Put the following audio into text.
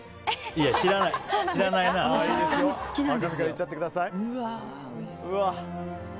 いや、知らないな。